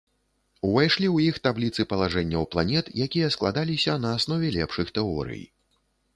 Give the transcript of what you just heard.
Увайшлі ў іх табліцы палажэнняў планет, якія складаліся на аснове лепшых тэорый.